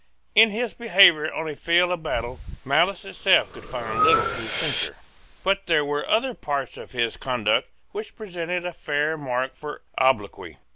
In his behaviour on a field of battle malice itself could find little to censure: but there were other parts of his conduct which presented a fair mark for obloquy.